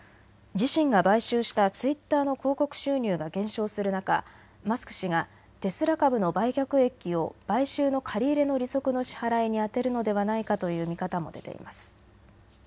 自身が買収したツイッターの広告収入が減少する中、マスク氏がテスラ株の売却益を買収の借り入れの利息の支払いに充てるのではないかという見方も出ています。